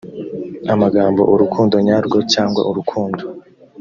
amagambo urukundo nyarwo cyangwa urukundo